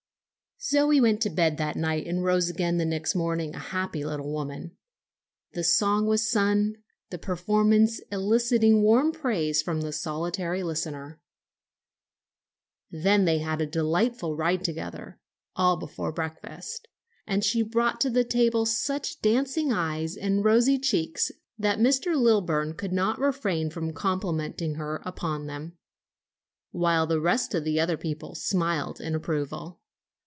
Zoe went to bed that night and rose again the next morning a happy little woman. The song was sung, the performance eliciting warm praise from the solitary listener. Then they had a delightful ride together, all before breakfast, and she brought to the table such dancing eyes and rosy cheeks that Mr. Lilburn could not refrain from complimenting her upon them, while the rest of the older people smiled in approval.